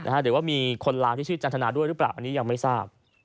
หรือว่ามีคนไลน์ที่ชื่อจันทนาด้วยหรือเปล่าอันนี้ยังไม่ทราบ